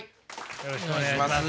よろしくお願いします。